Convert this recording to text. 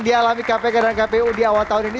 dialami kpk dan kpu di awal tahun ini